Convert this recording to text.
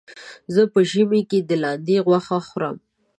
زه په ژمي کې د لاندې غوښه خورم.